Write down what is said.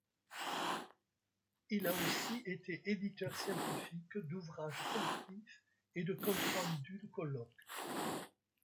Il a aussi été éditeur scientifique d'ouvrages collectifs et de comptes rendus de colloques.